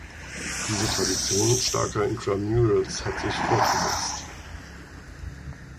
Diese Tradition starker Intramurals hat sich fortgesetzt.